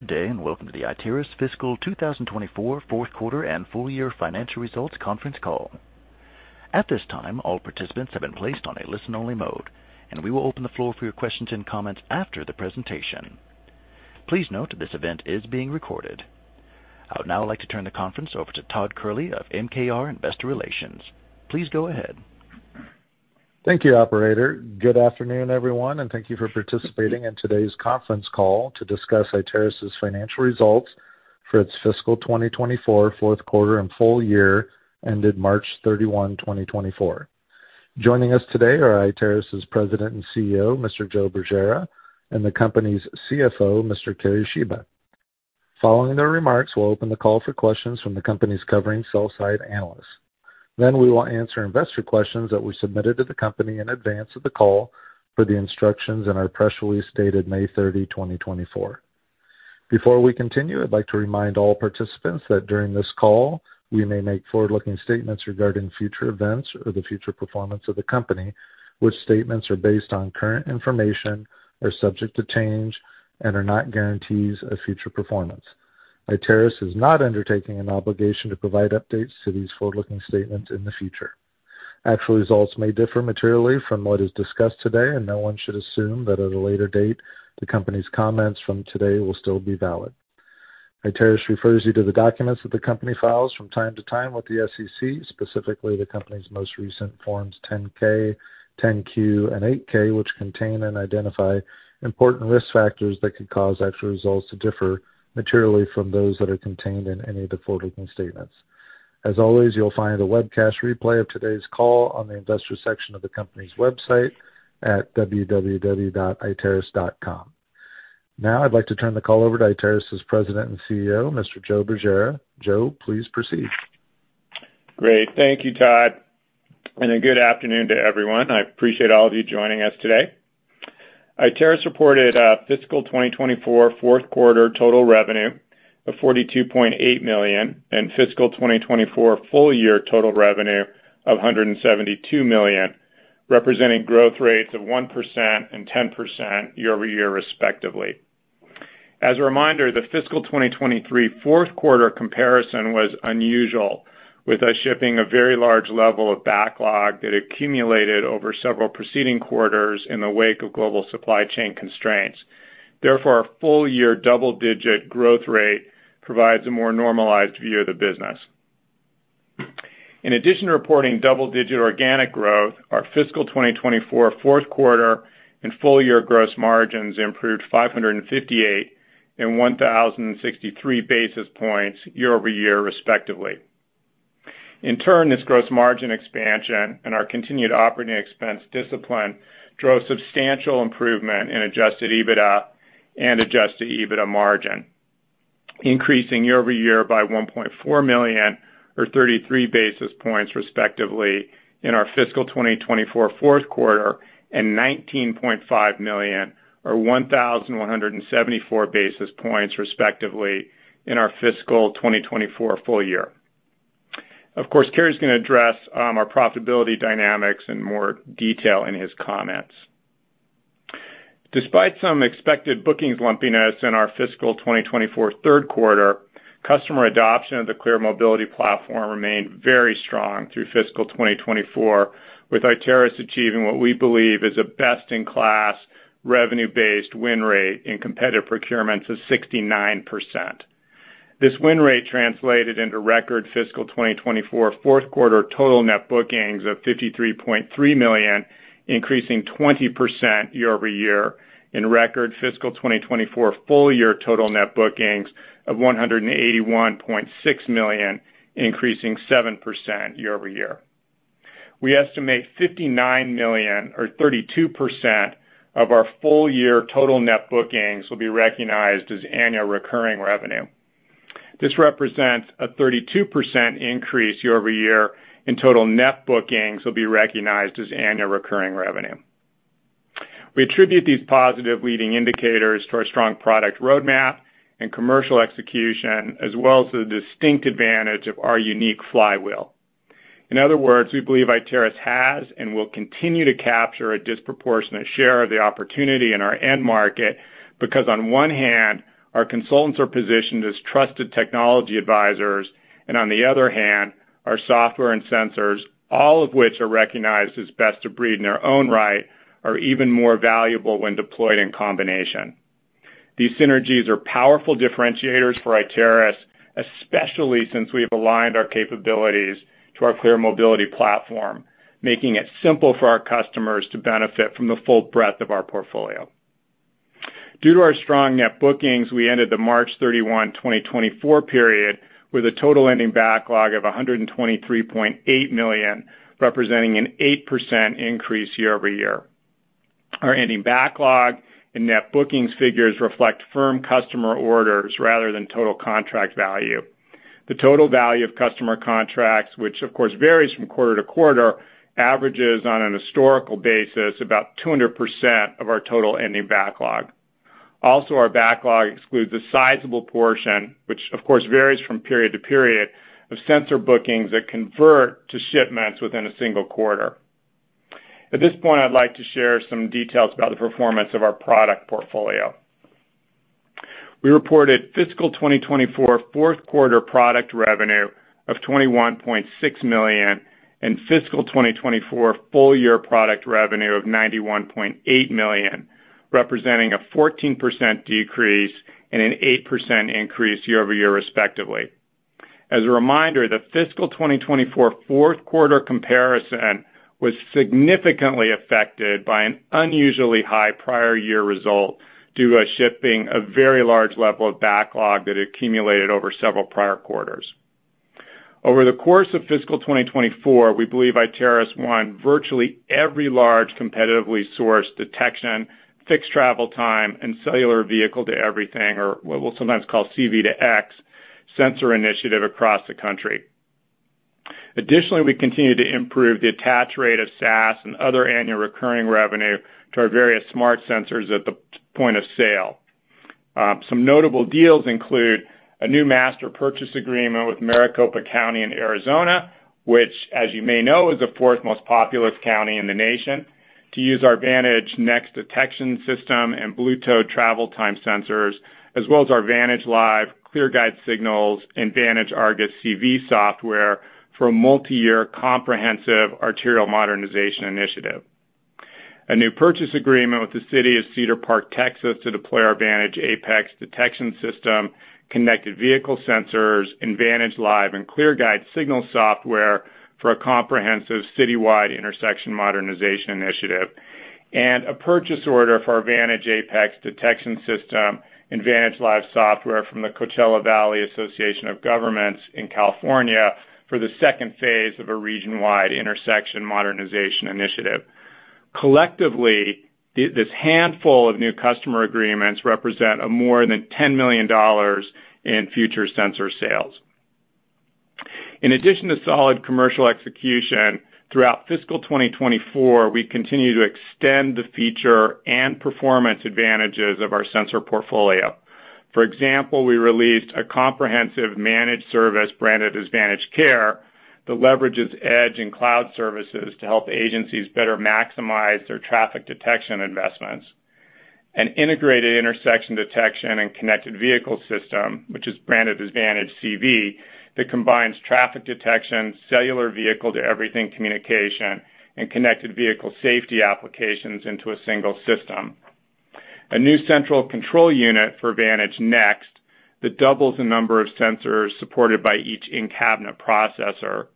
Good day, and welcome to the Iteris Fiscal 2024 fourth quarter and full year Financial Results Conference Call. At this time, all participants have been placed on a listen-only mode, and we will open the floor for your questions and comments after the presentation. Please note that this event is being recorded. I would now like to turn the conference over to Todd Kehrli of MKR Investor Relations. Please go ahead. Thank you, Operator. Good afternoon, everyone, and thank you for participating in today's conference call to discuss Iteris' financial results for its fiscal 2024 fourth quarter and full year, ended March 31, 2024. Joining us today are Iteris' President and CEO, Mr. Joe Bergera, and the company's CFO, Mr. Kerry Shiba. Following their remarks, we'll open the call for questions from the company's covering sell-side analysts. Then we will answer investor questions that were submitted to the company in advance of the call for the instructions in our press release dated May 30, 2024. Before we continue, I'd like to remind all participants that during this call, we may make forward-looking statements regarding future events or the future performance of the company, which statements are based on current information, are subject to change, and are not guarantees of future performance. Iteris is not undertaking an obligation to provide updates to these forward-looking statements in the future. Actual results may differ materially from what is discussed today, and no one should assume that at a later date, the company's comments from today will still be valid. Iteris refers you to the documents that the company files from time to time with the SEC, specifically the company's most recent Forms 10-K, 10-Q, and 8-K, which contain and identify important risk factors that could cause actual results to differ materially from those that are contained in any of the forward-looking statements. As always, you'll find a webcast replay of today's call on the investor section of the company's website at www.iteris.com. Now, I'd like to turn the call over to Iteris' President and CEO, Mr. Joe Bergera. Joe, please proceed. Great. Thank you, Todd. A good afternoon to everyone. I appreciate all of you joining us today. Iteris reported a fiscal 2024 fourth quarter total revenue of $42.8 million and fiscal 2024 full year total revenue of $172 million, representing growth rates of 1% and 10% year-over-year, respectively. As a reminder, the fiscal 2023 fourth quarter comparison was unusual, with us shipping a very large level of backlog that accumulated over several preceding quarters in the wake of global supply chain constraints. Therefore, a full-year double-digit growth rate provides a more normalized view of the business. In addition to reporting double-digit organic growth, our fiscal 2024 fourth quarter and full year gross margins improved 558 and 1,063 basis points year-over-year, respectively. In turn, this gross margin expansion and our continued operating expense discipline drove substantial improvement in Adjusted EBITDA and Adjusted EBITDA margin, increasing year-over-year by $1.4 million, or 33 basis points, respectively, in our fiscal 2024 fourth quarter and $19.5 million, or 1,174 basis points, respectively, in our fiscal 2024 full year. Of course, Kerry's going to address our profitability dynamics in more detail in his comments. Despite some expected bookings lumpiness in our fiscal 2024 third quarter, customer adoption of the Clear Mobility Platform remained very strong through fiscal 2024, with Iteris achieving what we believe is a best-in-class revenue-based win rate in competitive procurements of 69%. This win rate translated into record fiscal 2024 fourth quarter total net bookings of $53.3 million, increasing 20% year-over-year, and record fiscal 2024 full year total net bookings of $181.6 million, increasing 7% year-over-year. We estimate $59 million, or 32%, of our full year total net bookings will be recognized as annual recurring revenue. This represents a 32% increase year-over-year in total net bookings that will be recognized as annual recurring revenue. We attribute these positive leading indicators to our strong product roadmap and commercial execution, as well as the distinct advantage of our unique flywheel. In other words, we believe Iteris has and will continue to capture a disproportionate share of the opportunity in our end market because, on one hand, our consultants are positioned as trusted technology advisors, and on the other hand, our software and sensors, all of which are recognized as best of breed in their own right, are even more valuable when deployed in combination. These synergies are powerful differentiators for Iteris, especially since we've aligned our capabilities to our Clear Mobility Platform, making it simple for our customers to benefit from the full breadth of our portfolio. Due to our strong net bookings, we ended the March 31, 2024 period with a total ending backlog of $123.8 million, representing an 8% increase year-over-year. Our ending backlog and net bookings figures reflect firm customer orders rather than total contract value. The total value of customer contracts, which, of course, varies from quarter to quarter, averages on a historical basis about 200% of our total ending backlog. Also, our backlog excludes a sizable portion, which, of course, varies from period to period, of sensor bookings that convert to shipments within a single quarter. At this point, I'd like to share some details about the performance of our product portfolio. We reported fiscal 2024 fourth quarter product revenue of $21.6 million and fiscal 2024 full year product revenue of $91.8 million, representing a 14% decrease and an 8% increase year-over-year, respectively. As a reminder, the fiscal 2024 fourth quarter comparison was significantly affected by an unusually high prior year result due to us shipping a very large level of backlog that accumulated over several prior quarters. Over the course of fiscal 2024, we believe Iteris won virtually every large competitively sourced detection, fixed travel time, and cellular vehicle-to-everything, or what we'll sometimes call C-V2X, sensor initiative across the country. Additionally, we continue to improve the attach rate of SaaS and other annual recurring revenue to our various smart sensors at the point of sale. Some notable deals include a new master purchase agreement with Maricopa County in Arizona, which, as you may know, is the fourth most populous county in the nation, to use our Vantage Next detection system and Bluetooth travel time sensors, as ClearGuide Signals, and vantage arguscv software for a multi-year comprehensive arterial modernization initiative. A new purchase agreement with the City of Cedar Park, Texas, to deploy our Vantage Apex detection system, connected vehicle sensors, and VantageLive ClearGuide Signals software for a comprehensive citywide intersection modernization initiative, and a purchase order for our Vantage Apex detection system and VantageLive software from the Coachella Valley Association of Governments in California for the second phase of a region-wide intersection modernization initiative. Collectively, this handful of new customer agreements represent more than $10 million in future sensor sales. In addition to solid commercial execution, throughout fiscal 2024, we continue to extend the feature and performance advantages of our sensor portfolio. For example, we released a comprehensive managed service branded as VantageCare that leverages edge and cloud services to help agencies better maximize their traffic detection investments. An integrated intersection detection and connected vehicle system, which is branded as VantageCV, that combines traffic detection, cellular vehicle-to-everything communication, and connected vehicle safety applications into a single system. A new central control unit for Vantage Next that doubles the number of sensors supported by each in-cabinet processor.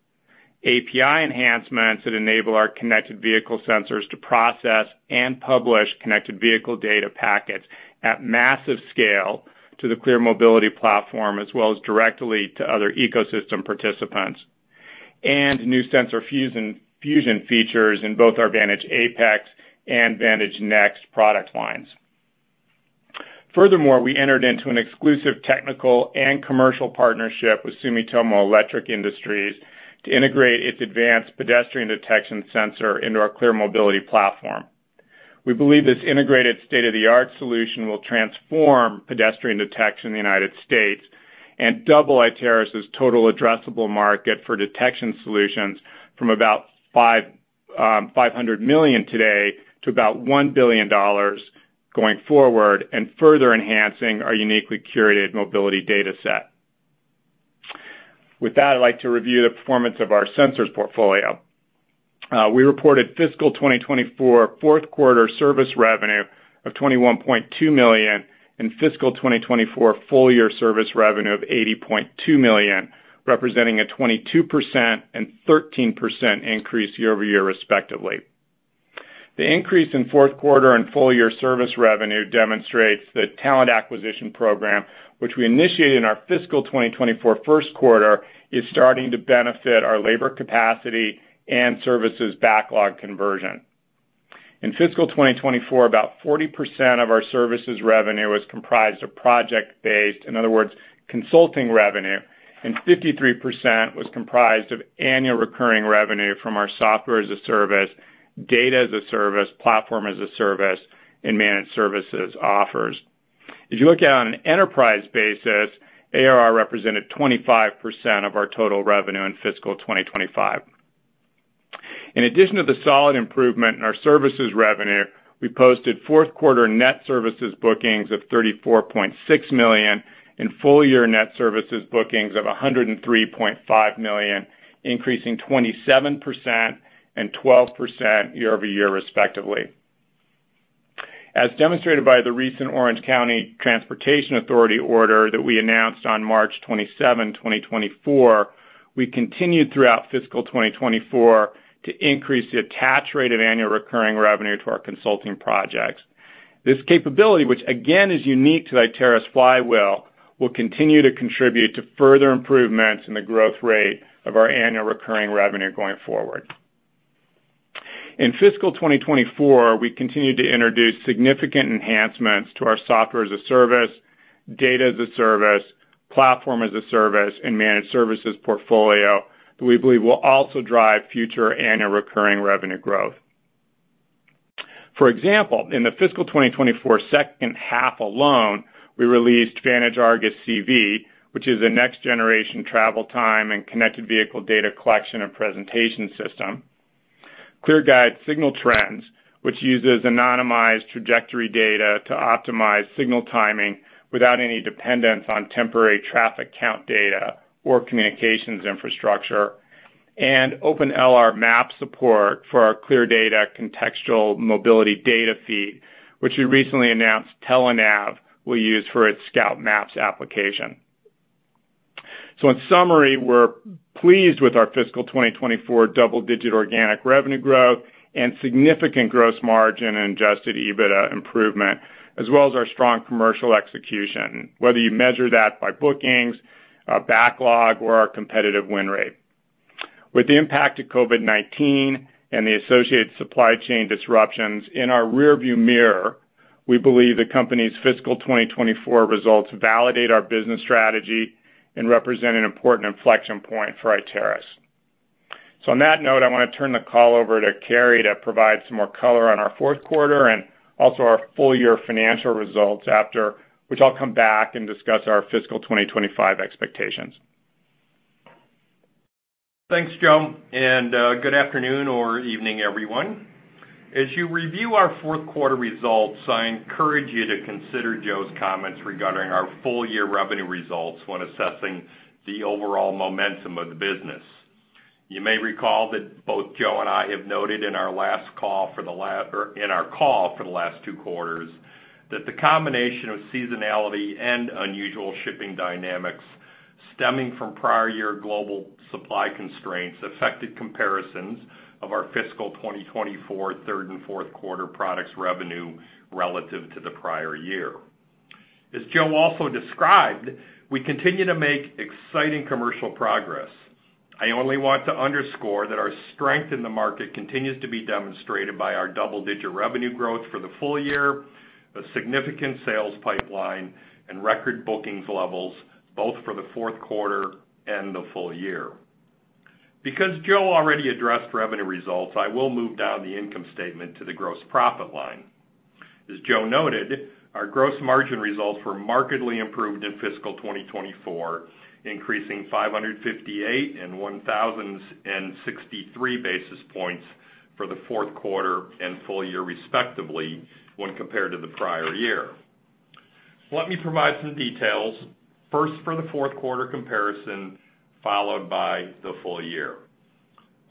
API enhancements that enable our connected vehicle sensors to process and publish connected vehicle data packets at massive scale to the Clear Mobility Platform, as well as directly to other ecosystem participants. New sensor fusion features in both our Vantage Apex and Vantage Next product lines. Furthermore, we entered into an exclusive technical and commercial partnership with Sumitomo Electric Industries to integrate its advanced pedestrian detection sensor into our Clear Mobility Platform. We believe this integrated state-of-the-art solution will transform pedestrian detection in the United States and double Iteris' total addressable market for detection solutions from about $500 million today to about $1 billion going forward and further enhancing our uniquely curated mobility data set. With that, I'd like to review the performance of our sensors portfolio. We reported fiscal 2024 fourth quarter service revenue of $21.2 million and fiscal 2024 full year service revenue of $80.2 million, representing a 22% and 13% increase year-over-year, respectively. The increase in fourth quarter and full year service revenue demonstrates the talent acquisition program, which we initiated in our fiscal 2024 first quarter, is starting to benefit our labor capacity and services backlog conversion. In fiscal 2024, about 40% of our services revenue was comprised of project-based, in other words, consulting revenue, and 53% was comprised of annual recurring revenue from our software as a service, data as a service, platform as a service, and managed services offers. If you look at it on an enterprise basis, ARR represented 25% of our total revenue in fiscal 2025. In addition to the solid improvement in our services revenue, we posted fourth quarter net services bookings of $34.6 million and full year net services bookings of $103.5 million, increasing 27% and 12% year-over-year, respectively. As demonstrated by the recent Orange County Transportation Authority order that we announced on March 27, 2024, we continued throughout fiscal 2024 to increase the attach rate of annual recurring revenue to our consulting projects. This capability, which again is unique to Iteris Flywheel, will continue to contribute to further improvements in the growth rate of our annual recurring revenue going forward. In fiscal 2024, we continued to introduce significant enhancements to our software as a service, data as a service, platform as a service, and managed services portfolio that we believe will also drive future annual recurring revenue growth. For example, in the fiscal 2024 second half alone, we Vantage ArgusCV, which is a next-generation travel time and connected vehicle data collection and presentation ClearGuide Signal Trends, which uses anonymized trajectory data to optimize signal timing without any dependence on temporary traffic count data or communications infrastructure, and OpenLR map support for our ClearData contextual mobility data feed, which we recently announced Telenav will use for its Scout Maps application. So, in summary, we're pleased with our fiscal 2024 double-digit organic revenue growth and significant gross margin and Adjusted EBITDA improvement, as well as our strong commercial execution, whether you measure that by bookings, backlog, or our competitive win rate. With the impact of COVID-19 and the associated supply chain disruptions in our rearview mirror, we believe the company's fiscal 2024 results validate our business strategy and represent an important inflection point for Iteris. So, on that note, I want to turn the call over to Kerry to provide some more color on our fourth quarter and also our full year financial results, after which I'll come back and discuss our fiscal 2025 expectations. Thanks, Joe, and good afternoon or evening, everyone. As you review our fourth quarter results, I encourage you to consider Joe's comments regarding our full year revenue results when assessing the overall momentum of the business. You may recall that both Joe and I have noted in our last call for the last two quarters that the combination of seasonality and unusual shipping dynamics stemming from prior year global supply constraints affected comparisons of our fiscal 2024 third and fourth quarter products revenue relative to the prior year. As Joe also described, we continue to make exciting commercial progress. I only want to underscore that our strength in the market continues to be demonstrated by our double-digit revenue growth for the full year, a significant sales pipeline, and record bookings levels both for the fourth quarter and the full year. Because Joe already addressed revenue results, I will move down the income statement to the gross profit line. As Joe noted, our gross margin results were markedly improved in fiscal 2024, increasing 558 and 1,063 basis points for the fourth quarter and full year, respectively, when compared to the prior year. Let me provide some details, first for the fourth quarter comparison followed by the full year.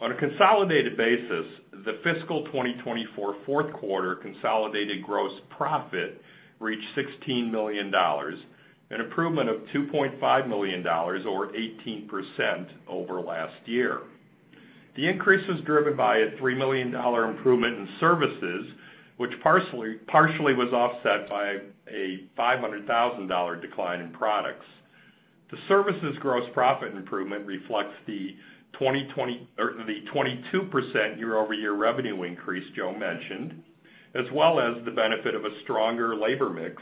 On a consolidated basis, the fiscal 2024 fourth quarter consolidated gross profit reached $16 million and an improvement of $2.5 million, or 18%, over last year. The increase was driven by a $3 million improvement in services, which partially was offset by a $500,000 decline in products. The services gross profit improvement reflects the 22% year-over-year revenue increase Joe mentioned, as well as the benefit of a stronger labor mix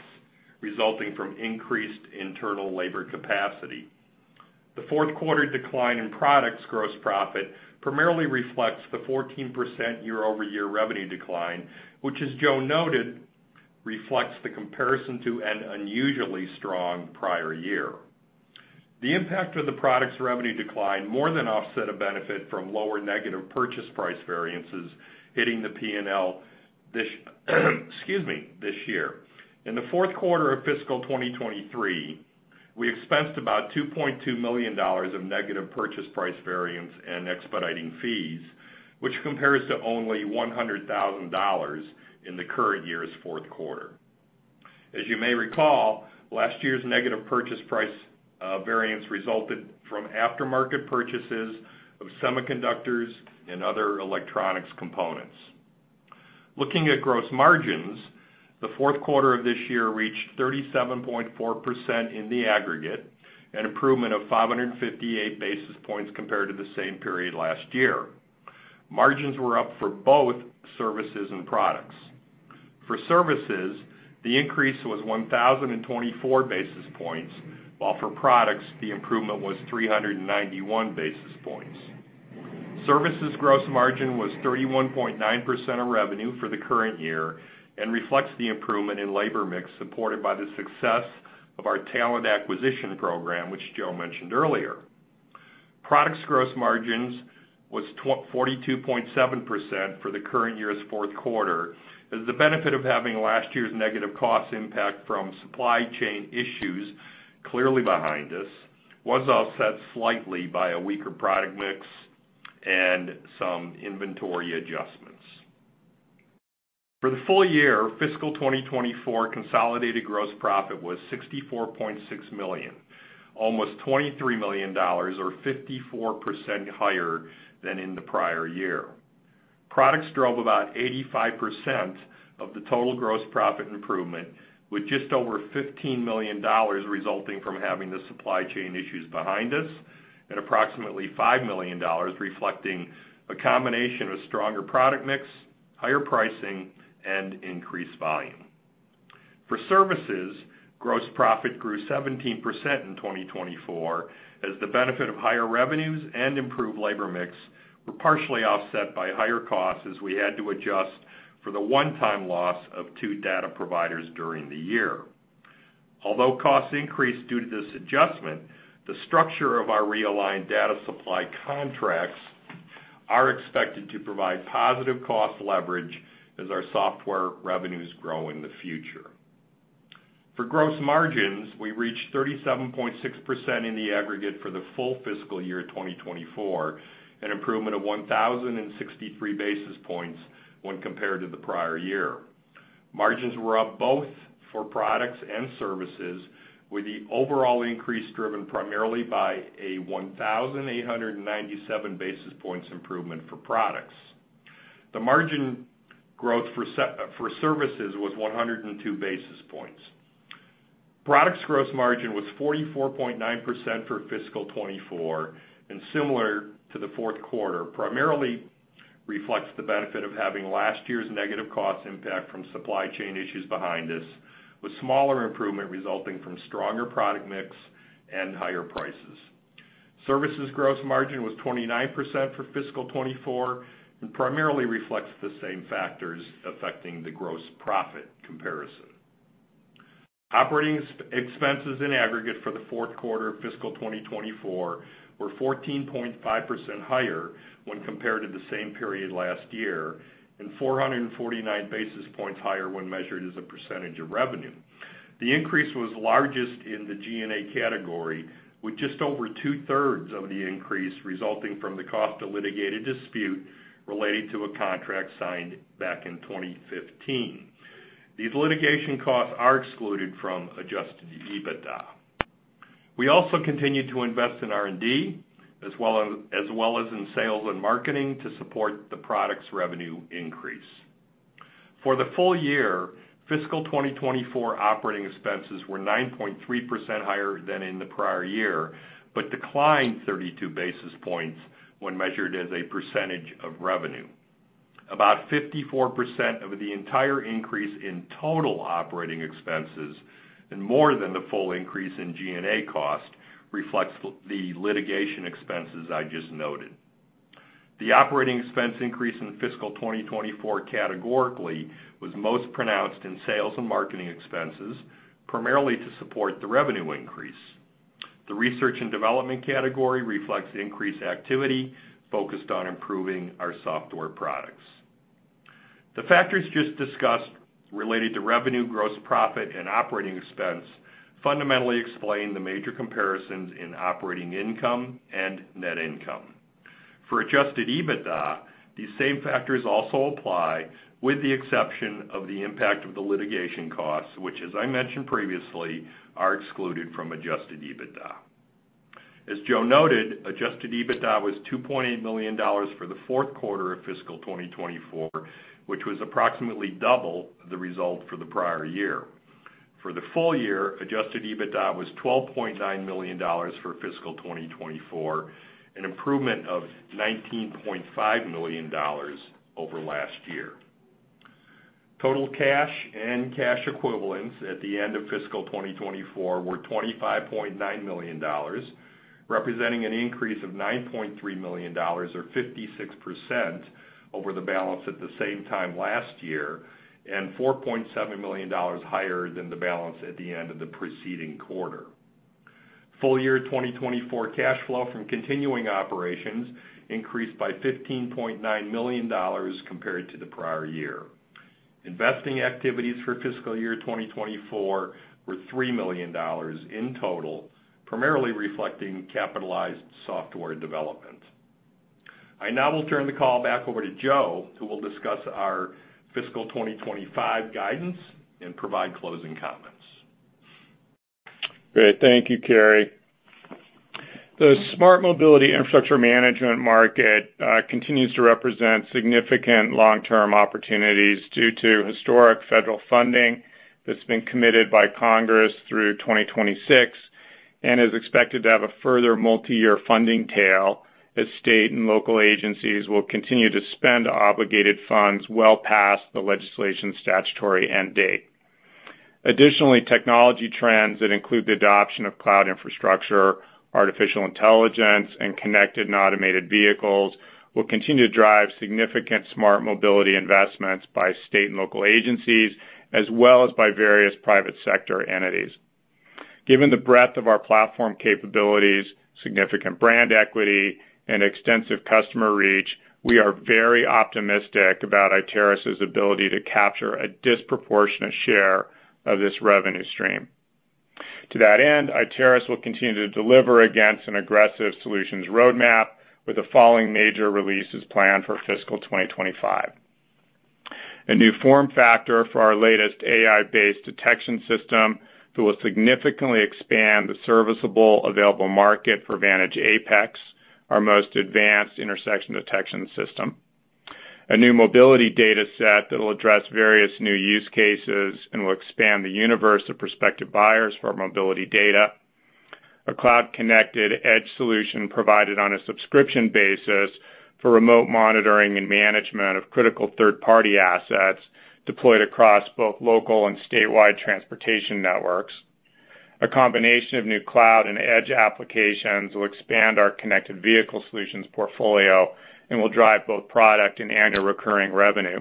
resulting from increased internal labor capacity. The fourth quarter decline in products gross profit primarily reflects the 14% year-over-year revenue decline, which, as Joe noted, reflects the comparison to an unusually strong prior year. The impact of the products revenue decline more than offset a benefit from lower negative purchase price variances hitting the P&L this year. In the fourth quarter of fiscal 2023, we expensed about $2.2 million of negative purchase price variance and expediting fees, which compares to only $100,000 in the current year's fourth quarter. As you may recall, last year's negative purchase price variance resulted from aftermarket purchases of semiconductors and other electronics components. Looking at gross margins, the fourth quarter of this year reached 37.4% in the aggregate and an improvement of 558 basis points compared to the same period last year. Margins were up for both services and products. For services, the increase was 1,024 basis points, while for products, the improvement was 391 basis points. Services gross margin was 31.9% of revenue for the current year and reflects the improvement in labor mix supported by the success of our talent acquisition program, which Joe mentioned earlier. Products gross margins were 42.7% for the current year's fourth quarter, as the benefit of having last year's negative cost impact from supply chain issues clearly behind us was offset slightly by a weaker product mix and some inventory adjustments. For the full year, fiscal 2024 consolidated gross profit was $64.6 million, almost $23 million, or 54% higher than in the prior year. Products drove about 85% of the total gross profit improvement, with just over $15 million resulting from having the supply chain issues behind us and approximately $5 million reflecting a combination of stronger product mix, higher pricing, and increased volume. For services, gross profit grew 17% in 2024, as the benefit of higher revenues and improved labor mix were partially offset by higher costs as we had to adjust for the one-time loss of two data providers during the year. Although costs increased due to this adjustment, the structure of our realigned data supply contracts is expected to provide positive cost leverage as our software revenues grow in the future. For gross margins, we reached 37.6% in the aggregate for the full fiscal year 2024, an improvement of 1,063 basis points when compared to the prior year. Margins were up both for products and services, with the overall increase driven primarily by a 1,897 basis points improvement for products. The margin growth for services was 102 basis points. Products gross margin was 44.9% for fiscal 2024, and similar to the fourth quarter, primarily reflects the benefit of having last year's negative cost impact from supply chain issues behind us, with smaller improvement resulting from stronger product mix and higher prices. Services gross margin was 29% for fiscal 2024 and primarily reflects the same factors affecting the gross profit comparison. Operating expenses in aggregate for the fourth quarter of fiscal 2024 were 14.5% higher when compared to the same period last year and 449 basis points higher when measured as a percentage of revenue. The increase was largest in the G&A category, with just over two-thirds of the increase resulting from the cost of litigated dispute related to a contract signed back in 2015. These litigation costs are excluded from Adjusted EBITDA. We also continued to invest in R&D, as well as in sales and marketing to support the products revenue increase. For the full year, fiscal 2024 operating expenses were 9.3% higher than in the prior year but declined 32 basis points when measured as a percentage of revenue. About 54% of the entire increase in total operating expenses and more than the full increase in G&A cost reflects the litigation expenses I just noted. The operating expense increase in fiscal 2024 categorically was most pronounced in sales and marketing expenses, primarily to support the revenue increase. The research and development category reflects increased activity focused on improving our software products. The factors just discussed related to revenue, gross profit, and operating expense fundamentally explain the major comparisons in operating income and net income. For adjusted EBITDA, these same factors also apply, with the exception of the impact of the litigation costs, which, as I mentioned previously, are excluded from adjusted EBITDA. As Joe noted, adjusted EBITDA was $2.8 million for the fourth quarter of fiscal 2024, which was approximately double the result for the prior year. For the full year, adjusted EBITDA was $12.9 million for fiscal 2024, an improvement of $19.5 million over last year. Total cash and cash equivalents at the end of fiscal 2024 were $25.9 million, representing an increase of $9.3 million, or 56%, over the balance at the same time last year and $4.7 million higher than the balance at the end of the preceding quarter. full year 2024 cash flow from continuing operations increased by $15.9 million compared to the prior year. Investing activities for fiscal year 2024 were $3 million in total, primarily reflecting capitalized software development. I now will turn the call back over to Joe, who will discuss our fiscal 2025 guidance and provide closing comments. Great. Thank you, Kerry. The smart mobility infrastructure management market continues to represent significant long-term opportunities due to historic federal funding that's been committed by Congress through 2026 and is expected to have a further multi-year funding tail as state and local agencies will continue to spend obligated funds well past the legislation's statutory end date. Additionally, technology trends that include the adoption of cloud infrastructure, artificial intelligence, and connected and automated vehicles will continue to drive significant smart mobility investments by state and local agencies, as well as by various private sector entities. Given the breadth of our platform capabilities, significant brand equity, and extensive customer reach, we are very optimistic about Iteris's ability to capture a disproportionate share of this revenue stream. To that end, Iteris will continue to deliver against an aggressive solutions roadmap, with the following major releases planned for fiscal 2025: a new form factor for our latest AI-based detection system that will significantly expand the serviceable available market for Vantage Apex, our most advanced intersection detection system. A new mobility data set that will address various new use cases and will expand the universe of prospective buyers for our mobility data. A cloud-connected edge solution provided on a subscription basis for remote monitoring and management of critical third-party assets deployed across both local and statewide transportation networks. A combination of new cloud and edge applications that will expand our connected vehicle solutions portfolio and will drive both product and annual recurring revenue.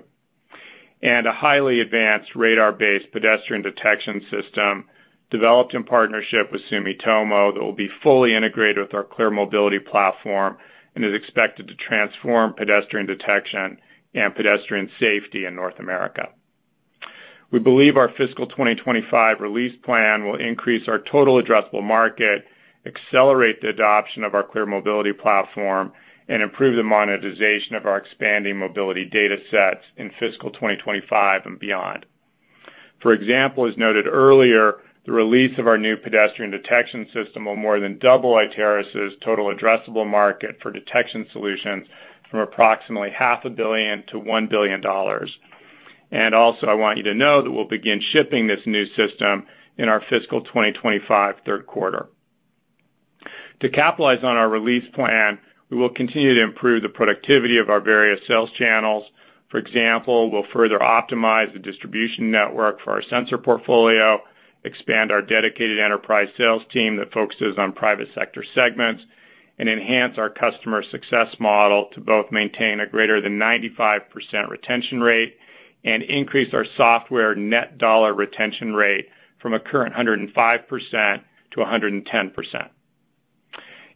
And a highly advanced radar-based pedestrian detection system developed in partnership with Sumitomo that will be fully integrated with our Clear Mobility Platform and is expected to transform pedestrian detection and pedestrian safety in North America. We believe our fiscal 2025 release plan will increase our total addressable market, accelerate the adoption of our Clear Mobility Platform, and improve the monetization of our expanding mobility data sets in fiscal 2025 and beyond. For example, as noted earlier, the release of our new pedestrian detection system will more than double Iteris's total addressable market for detection solutions from approximately $500 million to $1 billion. Also, I want you to know that we'll begin shipping this new system in our fiscal 2025 third quarter. To capitalize on our release plan, we will continue to improve the productivity of our various sales channels. For example, we'll further optimize the distribution network for our sensor portfolio, expand our dedicated enterprise sales team that focuses on private sector segments, and enhance our customer success model to both maintain a greater than 95% retention rate and increase our software net dollar retention rate from a current 105% to 110%.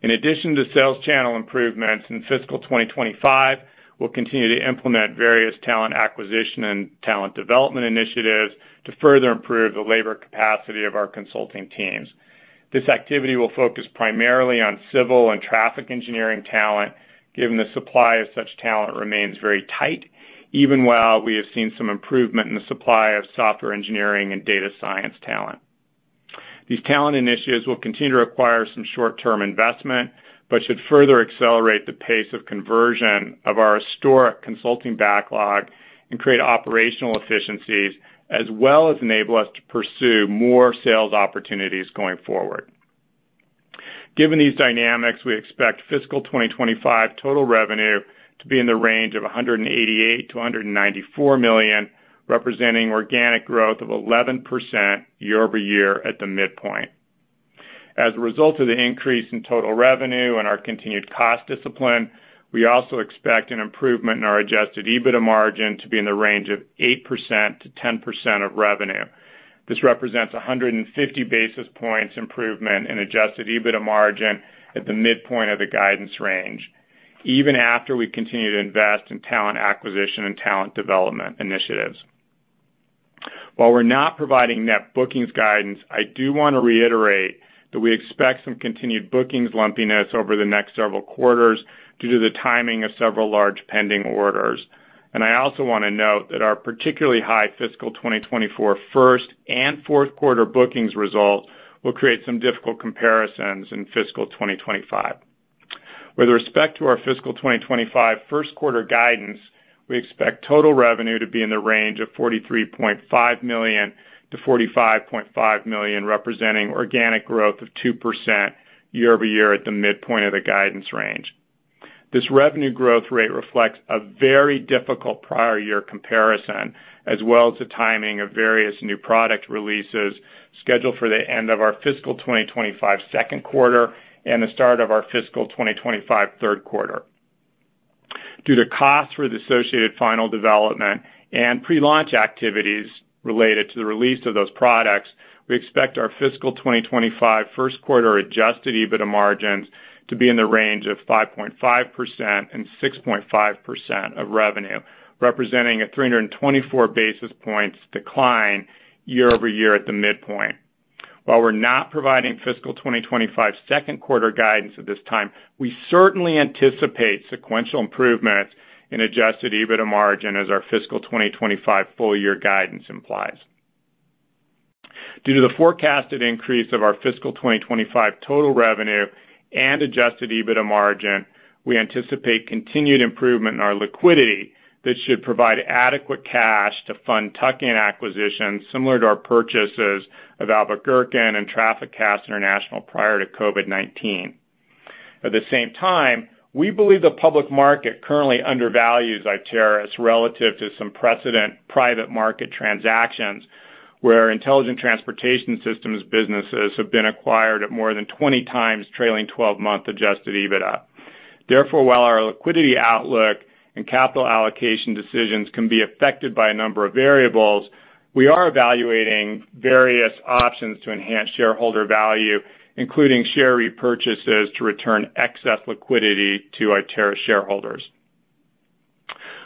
In addition to sales channel improvements in fiscal 2025, we'll continue to implement various talent acquisition and talent development initiatives to further improve the labor capacity of our consulting teams. This activity will focus primarily on civil and traffic engineering talent, given the supply of such talent remains very tight, even while we have seen some improvement in the supply of software engineering and data science talent. These talent initiatives will continue to require some short-term investment but should further accelerate the pace of conversion of our historic consulting backlog and create operational efficiencies, as well as enable us to pursue more sales opportunities going forward. Given these dynamics, we expect fiscal 2025 total revenue to be in the range of $188-$194 million, representing organic growth of 11% year-over-year at the midpoint. As a result of the increase in total revenue and our continued cost discipline, we also expect an improvement in our Adjusted EBITDA margin to be in the range of 8%-10% of revenue. This represents a 150 basis points improvement in Adjusted EBITDA margin at the midpoint of the guidance range, even after we continue to invest in talent acquisition and talent development initiatives. While we're not providing net bookings guidance, I do want to reiterate that we expect some continued bookings lumpiness over the next several quarters due to the timing of several large pending orders. And I also want to note that our particularly high fiscal 2024 first and fourth quarter bookings result will create some difficult comparisons in fiscal 2025. With respect to our fiscal 2025 first quarter guidance, we expect total revenue to be in the range of $43.5 million-$45.5 million, representing organic growth of 2% year-over-year at the midpoint of the guidance range. This revenue growth rate reflects a very difficult prior year comparison, as well as the timing of various new product releases scheduled for the end of our fiscal 2025 second quarter and the start of our fiscal 2025 third quarter. Due to costs for the associated final development and pre-launch activities related to the release of those products, we expect our fiscal 2025 first quarter adjusted EBITDA margins to be in the range of 5.5%-6.5% of revenue, representing a 324 basis points decline year-over-year at the midpoint. While we're not providing fiscal 2025 second quarter guidance at this time, we certainly anticipate sequential improvements in adjusted EBITDA margin as our fiscal 2025 full year guidance implies. Due to the forecasted increase of our fiscal 2025 total revenue and adjusted EBITDA margin, we anticipate continued improvement in our liquidity that should provide adequate cash to fund tuck-in acquisitions, similar to our purchases of Albeck Gerken and TrafficCast International prior to COVID-19. At the same time, we believe the public market currently undervalues Iteris relative to some precedent private market transactions where Intelligent Transportation Systems businesses have been acquired at more than 20x trailing 12-month Adjusted EBITDA. Therefore, while our liquidity outlook and capital allocation decisions can be affected by a number of variables, we are evaluating various options to enhance shareholder value, including share repurchases to return excess liquidity to Iteris shareholders.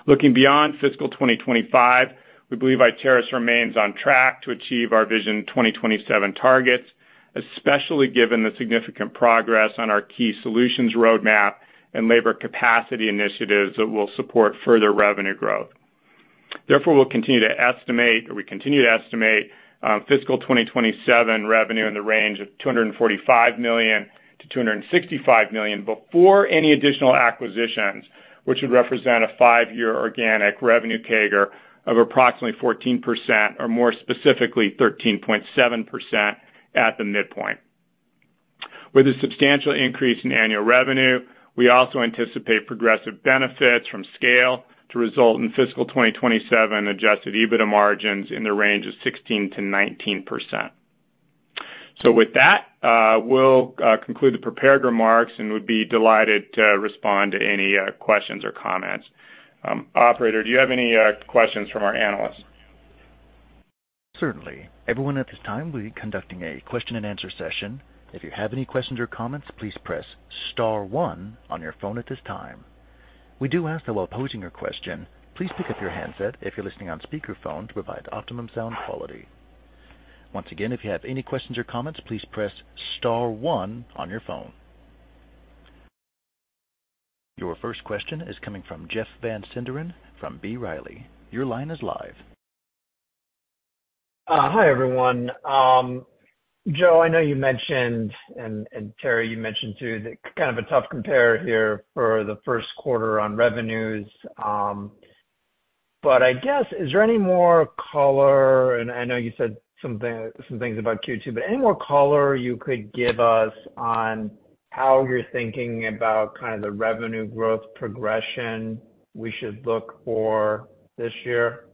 Looking beyond fiscal 2025, we believe Iteris remains on track to achieve our Vision 2027 targets, especially given the significant progress on our key solutions roadmap and labor capacity initiatives that will support further revenue growth. Therefore, we'll continue to estimate, or we continue to estimate, fiscal 2027 revenue in the range of $245 million-$265 million before any additional acquisitions, which would represent a five-year organic revenue CAGR of approximately 14%, or more specifically 13.7%, at the midpoint. With a substantial increase in annual revenue, we also anticipate progressive benefits from scale to result in fiscal 2027 adjusted EBITDA margins in the range of 16%-19%. So with that, we'll conclude the prepared remarks and would be delighted to respond to any questions or comments. Operator, do you have any questions from our analysts? Certainly. Everyone at this time, we'll be conducting a question and answer session. If you have any questions or comments, please press Star 1 on your phone at this time. We do ask that while posing your question, please pick up your handset if you're listening on speakerphone to provide optimum sound quality. Once again, if you have any questions or comments, please press Star 1 on your phone. Your first question is coming from Jeff Van Sinderen from B. Riley. Your line is live. Hi, everyone. Joe, I know you mentioned, and Kerry, you mentioned too, that kind of a tough compare here for the first quarter on revenues. But I guess, is there any more color? And I know you said some things about Q2, but any more color you could give us on how you're thinking about kind of the revenue growth progression we should look for this year? Yeah.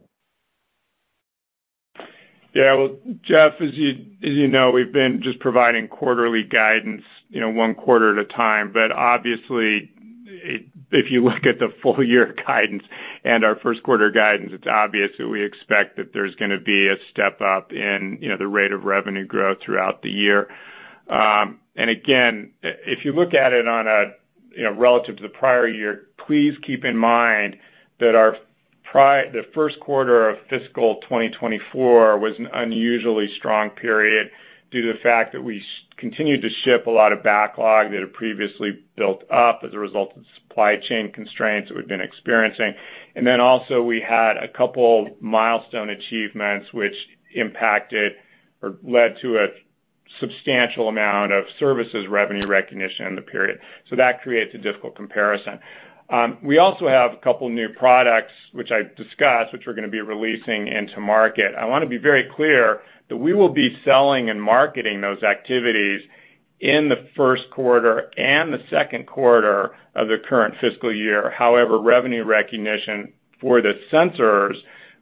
Well, Jeff, as you know, we've been just providing quarterly guidance, one quarter at a time. But obviously, if you look at the full year guidance and our first quarter guidance, it's obvious that we expect that there's going to be a step up in the rate of revenue growth throughout the year. And again, if you look at it relative to the prior year, please keep in mind that the first quarter of fiscal 2024 was an unusually strong period due to the fact that we continued to ship a lot of backlog that had previously built up as a result of supply chain constraints that we've been experiencing. And then also, we had a couple of milestone achievements which impacted or led to a substantial amount of services revenue recognition in the period. So that creates a difficult comparison. We also have a couple of new products, which I discussed, which we're going to be releasing into market. I want to be very clear that we will be selling and marketing those activities in the first quarter and the second quarter of the current fiscal year. However, revenue recognition for the sensors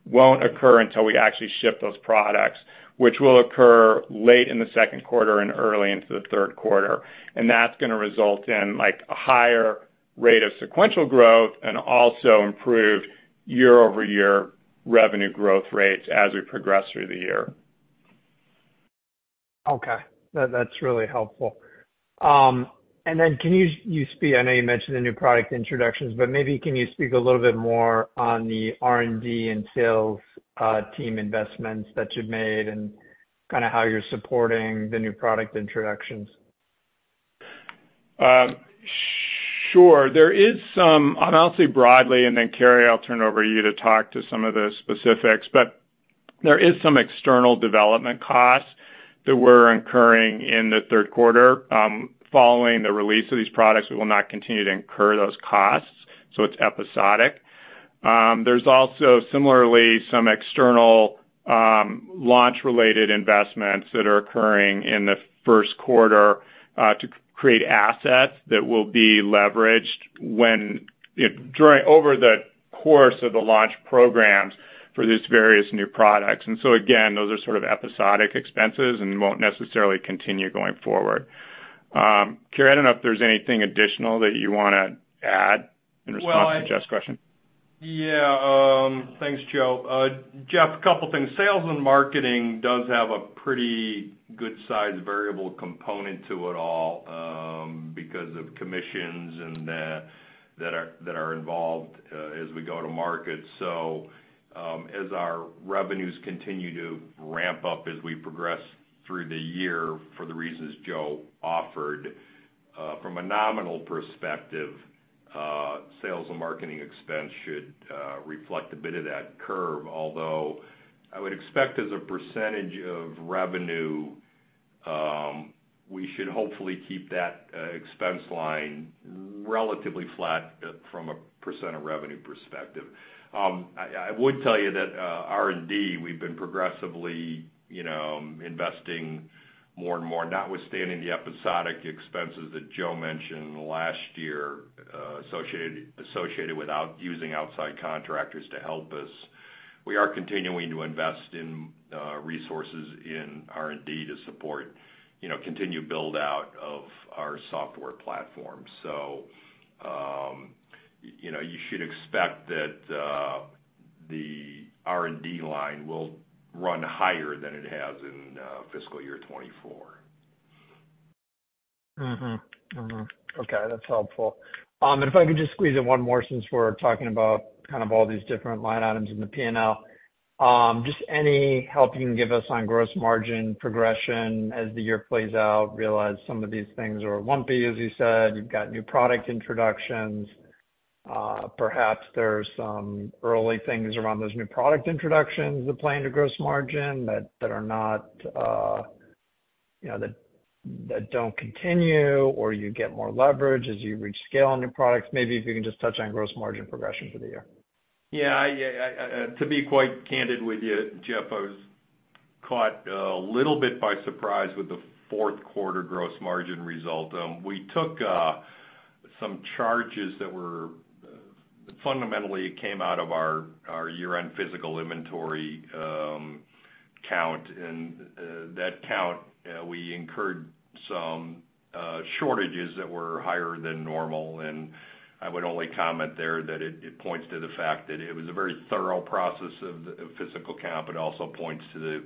won't occur until we actually ship those products, which will occur late in the second quarter and early into the third quarter. And that's going to result in a higher rate of sequential growth and also improved year-over-year revenue growth rates as we progress through the year. Okay. That's really helpful. And then can you speak? I know you mentioned the new product introductions, but maybe can you speak a little bit more on the R&D and sales team investments that you've made and kind of how you're supporting the new product introductions? Sure. There is some, and I'll say broadly, and then Kerry, I'll turn it over to you to talk to some of the specifics. But there is some external development costs that we're incurring in the third quarter. Following the release of these products, we will not continue to incur those costs, so it's episodic. There's also, similarly, some external launch-related investments that are occurring in the first quarter to create assets that will be leveraged over the course of the launch programs for these various new products. And so again, those are sort of episodic expenses and won't necessarily continue going forward. Kerry, I don't know if there's anything additional that you want to add in response to Jeff's question. Yeah. Thanks, Joe. Jeff, a couple of things. Sales and marketing does have a pretty good size variable component to it all because of commissions that are involved as we go to market. So as our revenues continue to ramp up as we progress through the year, for the reasons Joe offered, from a nominal perspective, sales and marketing expense should reflect a bit of that curve. Although I would expect as a percentage of revenue, we should hopefully keep that expense line relatively flat from a percent of revenue perspective. I would tell you that R&D, we've been progressively investing more and more, notwithstanding the episodic expenses that Joe mentioned last year associated with using outside contractors to help us. We are continuing to invest in resources in R&D to support continued build-out of our software platform. So you should expect that the R&D line will run higher than it has in fiscal year 2024. Okay. That's helpful. And if I could just squeeze in one more since we're talking about kind of all these different line items in the P&L, just any help you can give us on gross margin progression as the year plays out, realize some of these things are lumpy, as you said. You've got new product introductions. Perhaps there's some early things around those new product introductions that play into gross margin that are not that don't continue, or you get more leverage as you reach scale on new products. Maybe if you can just touch on gross margin progression for the year. Yeah. To be quite candid with you, Jeff, I was caught a little bit by surprise with the fourth quarter gross margin result. We took some charges that were fundamentally came out of our year-end physical inventory count, and that count, we incurred some shortages that were higher than normal. I would only comment there that it points to the fact that it was a very thorough process of the physical count, but also points to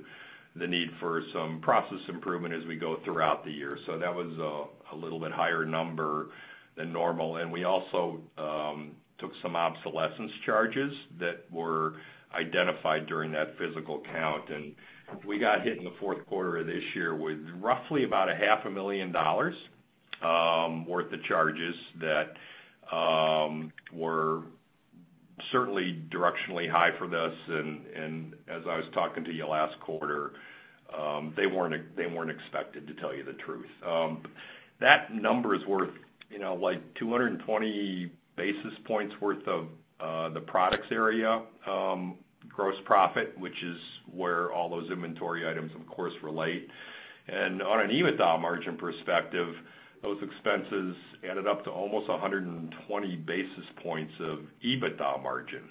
the need for some process improvement as we go throughout the year. So that was a little bit higher number than normal. We also took some obsolescence charges that were identified during that physical count. We got hit in the fourth quarter of this year with roughly about $500,000 worth of charges that were certainly directionally high for this. As I was talking to you last quarter, they weren't expected, to tell you the truth. That number is worth like 220 basis points worth of the products area gross profit, which is where all those inventory items, of course, relate. On an EBITDA margin perspective, those expenses added up to almost 120 basis points of EBITDA margin.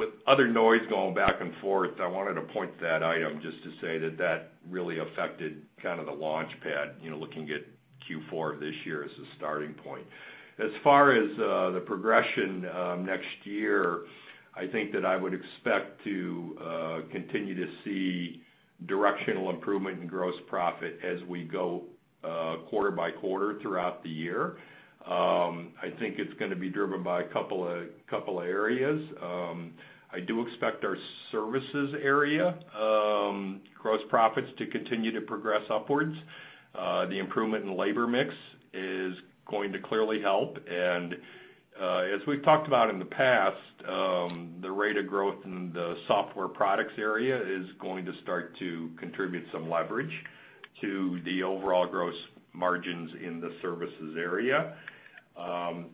With other noise going back and forth, I wanted to point to that item just to say that that really affected kind of the launch pad, looking at Q4 of this year as a starting point. As far as the progression next year, I think that I would expect to continue to see directional improvement in gross profit as we go quarter by quarter throughout the year. I think it's going to be driven by a couple of areas. I do expect our services area gross profits to continue to progress upwards. The improvement in labor mix is going to clearly help. As we've talked about in the past, the rate of growth in the software products area is going to start to contribute some leverage to the overall gross margins in the services area.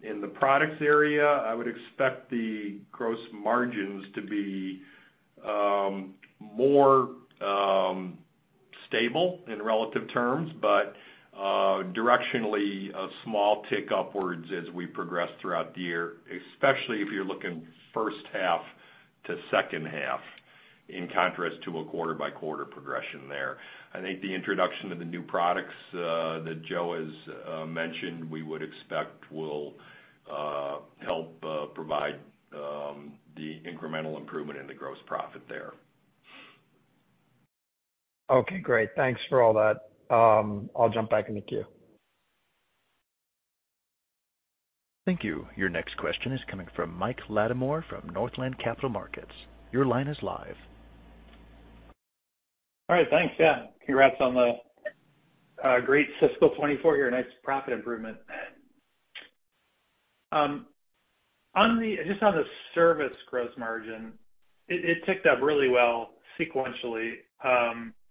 In the products area, I would expect the gross margins to be more stable in relative terms, but directionally a small tick upwards as we progress throughout the year, especially if you're looking first half to second half in contrast to a quarter-by-quarter progression there. I think the introduction of the new products that Joe has mentioned, we would expect will help provide the incremental improvement in the gross profit there. Okay. Great. Thanks for all that. I'll jump back in the queue. Thank you. Your next question is coming from Mike Latimore from Northland Capital Markets. Your line is live. All right. Thanks, yeah. Congrats on the great fiscal 2024 here. Nice profit improvement. Just on the service gross margin, it ticked up really well sequentially.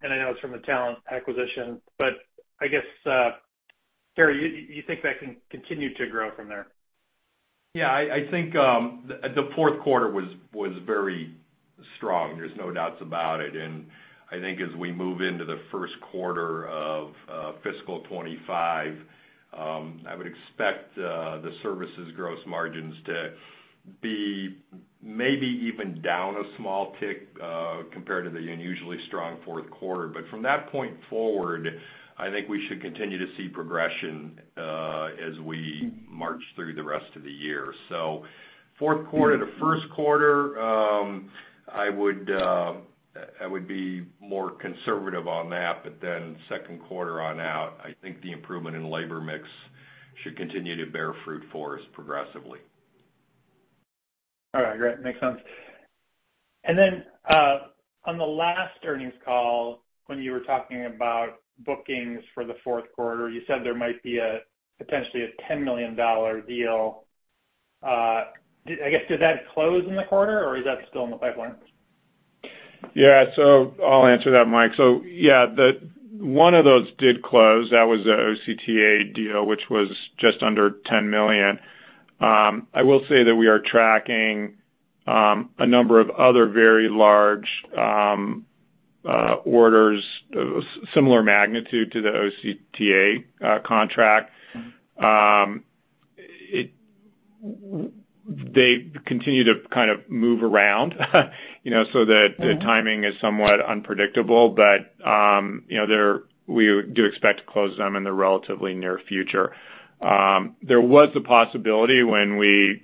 And I know it's from the talent acquisition, but I guess, Kerry, you think that can continue to grow from there? Yeah. I think the fourth quarter was very strong. There's no doubt about it. And I think as we move into the first quarter of fiscal 2025, I would expect the services gross margins to be maybe even down a small tick compared to the unusually strong fourth quarter. But from that point forward, I think we should continue to see progression as we March through the rest of the year. So fourth quarter to first quarter, I would be more conservative on that. But then second quarter on out, I think the improvement in labor mix should continue to bear fruit for us progressively. All right. Great. Makes sense. Then on the last earnings call, when you were talking about bookings for the fourth quarter, you said there might be potentially a $10 million deal. I guess, did that close in the quarter, or is that still in the pipeline? Yeah. So I'll answer that, Mike. So yeah, one of those did close. That was an OCTA deal, which was just under $10 million. I will say that we are tracking a number of other very large orders, similar magnitude to the OCTA contract. They continue to kind of move around, so the timing is somewhat unpredictable. But we do expect to close them in the relatively near future. There was a possibility when we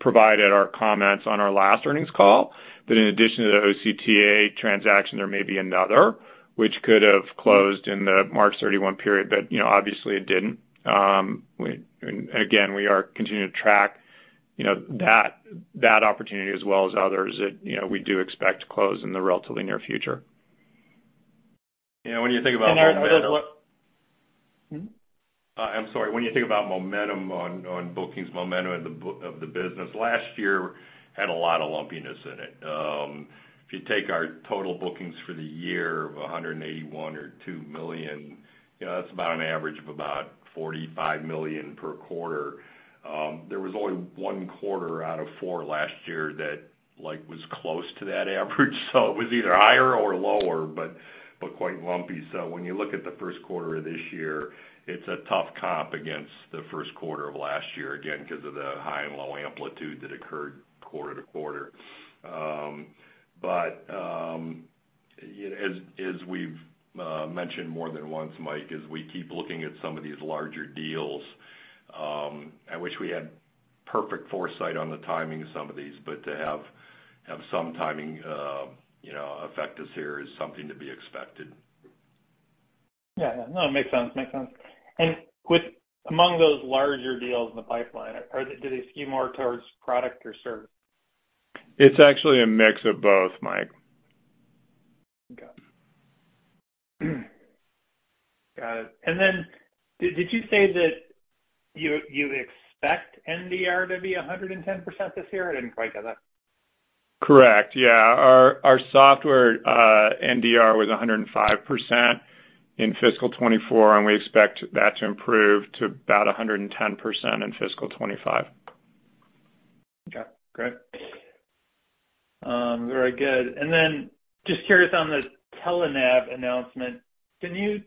provided our comments on our last earnings call that in addition to the OCTA transaction, there may be another, which could have closed in the March 31 period, but obviously, it didn't. And again, we are continuing to track that opportunity as well as others that we do expect to close in the relatively near future. Yeah. I'm sorry. When you think about momentum on bookings, momentum of the business, last year had a lot of lumpiness in it. If you take our total bookings for the year of $182 million, that's about an average of about $45 million per quarter. There was only one quarter out of four last year that was close to that average. So it was either higher or lower, but quite lumpy. So when you look at the first quarter of this year, it's a tough comp against the first quarter of last year, again, because of the high and low amplitude that occurred quarter to quarter. But as we've mentioned more than once, Mike, as we keep looking at some of these larger deals, I wish we had perfect foresight on the timing of some of these, but to have some timing affect us here is something to be expected. Yeah. Yeah. No, it makes sense. Makes sense. And among those larger deals in the pipeline, do they skew more towards product or service? It's actually a mix of both, Mike. Okay. Got it. And then did you say that you expect NDR to be 110% this year? I didn't quite get that. Correct. Yeah. Our software NDR was 105% in fiscal 2024, and we expect that to improve to about 110% in fiscal 2025. Okay. Great. Very good. And then just curious on the Telenav announcement, can you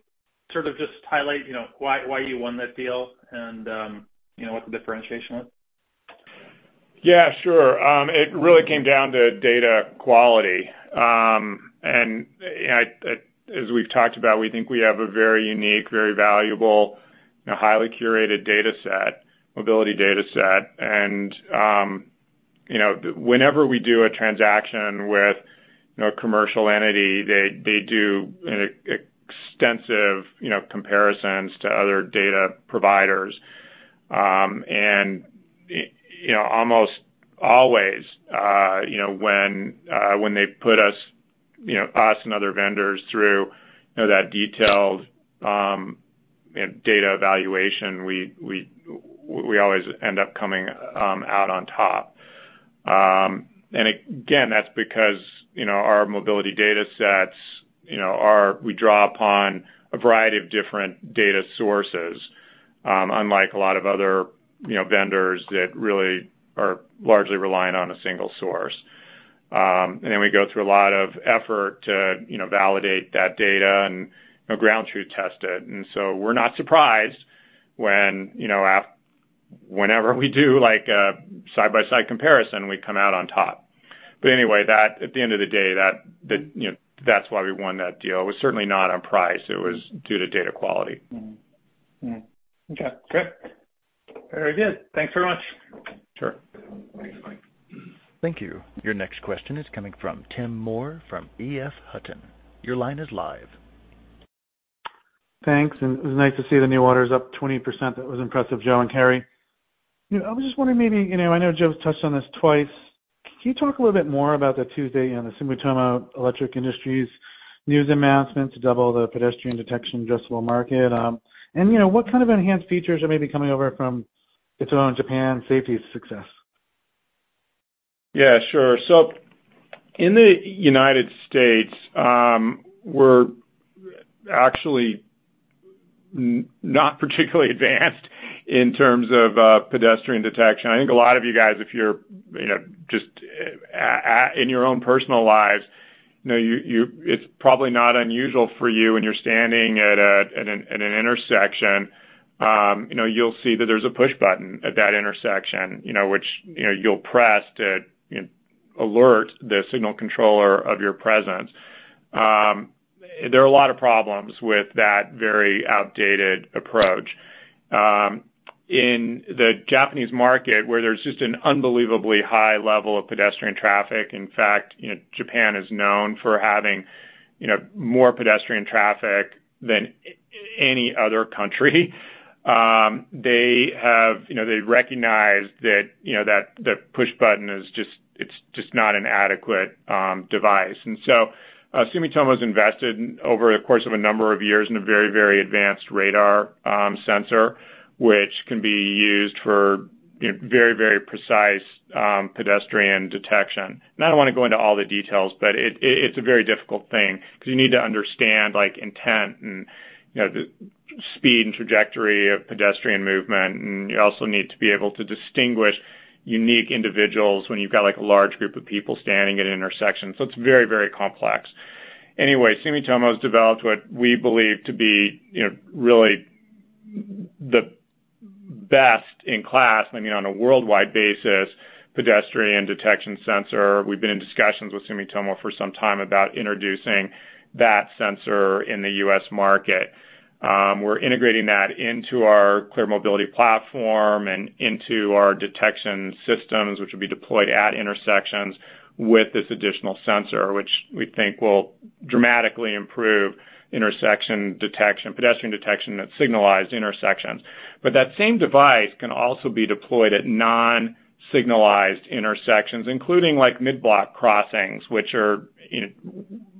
sort of just highlight why you won that deal and what the differentiation was? Yeah. Sure. It really came down to data quality. As we've talked about, we think we have a very unique, very valuable, highly curated data set, mobility data set. Whenever we do a transaction with a commercial entity, they do extensive comparisons to other data providers. Almost always when they put us and other vendors through that detailed data evaluation, we always end up coming out on top. Again, that's because our mobility data sets, we draw upon a variety of different data sources, unlike a lot of other vendors that really are largely reliant on a single source. Then we go through a lot of effort to validate that data and ground truth test it. So we're not surprised whenever we do a side-by-side comparison, we come out on top. But anyway, at the end of the day, that's why we won that deal. It was certainly not on price. It was due to data quality. Okay. Good. Very good. Thanks very much. Sure. Thanks, Mike. Thank you. Your next question is coming from Tim Moore from EF Hutton. Your line is live. Thanks. And it was nice to see the new orders up 20%. That was impressive, Joe and Kerry. I was just wondering, maybe I know Joe's touched on this twice. Can you talk a little bit more about the Tuesday and the Sumitomo Electric Industries news announcement to double the pedestrian detection addressable market? And what kind of enhanced features are maybe coming over from Sumitomo in Japan, safety success? Yeah. Sure. So in the United States, we're actually not particularly advanced in terms of pedestrian detection. I think a lot of you guys, if you're just in your own personal lives, it's probably not unusual for you when you're standing at an intersection, you'll see that there's a push button at that intersection, which you'll press to alert the signal controller of your presence. There are a lot of problems with that very outdated approach. In the Japanese market, where there's just an unbelievably high level of pedestrian traffic, in fact, Japan is known for having more pedestrian traffic than any other country. They recognize that the push button is just not an adequate device. And so Sumitomo's invested over the course of a number of years in a very, very advanced radar sensor, which can be used for very, very precise pedestrian detection. I don't want to go into all the details, but it's a very difficult thing because you need to understand intent and the speed and trajectory of pedestrian movement. You also need to be able to distinguish unique individuals when you've got a large group of people standing at an intersection. It's very, very complex. Anyway, Sumitomo's developed what we believe to be really the best in class, I mean, on a worldwide basis, pedestrian detection sensor. We've been in discussions with Sumitomo for some time about introducing that sensor in the U.S. market. We're integrating that into our Clear Mobility Platform and into our detection systems, which will be deployed at intersections with this additional sensor, which we think will dramatically improve pedestrian detection at signalized intersections. But that same device can also be deployed at non-signalized intersections, including mid-block crossings, which are